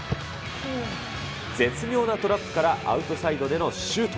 絶妙なトラップからアウトサイドでのシュート。